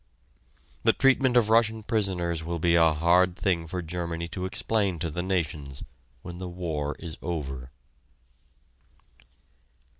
The treatment of Russian prisoners will be a hard thing for Germany to explain to the nations when the war is over.